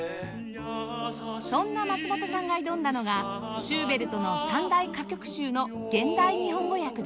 そんな松本さんが挑んだのがシューベルトの３大歌曲集の現代日本語訳です